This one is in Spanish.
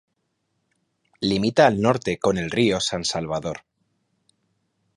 Limita al norte con el río San Salvador.